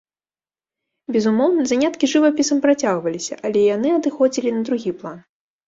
Безумоўна, заняткі жывапісам працягваліся, але яны адыходзілі на другі план.